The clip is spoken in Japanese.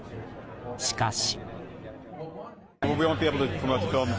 しかし。